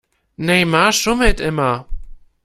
Neymar schummelt immer.